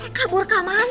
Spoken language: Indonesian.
rekah buruk kemana